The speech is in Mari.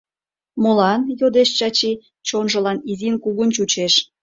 Молан? — йодеш Чачи, чонжылан изин-кугун чучеш.